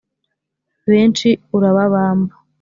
benshi urababamba